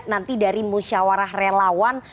nanti dari musyawarah relawan